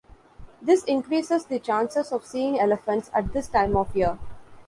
This increases the chances of seeing elephants at this time of year.